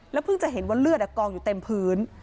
เพิ่งจะเห็นว่าเลือดกองอยู่เต็มพื้น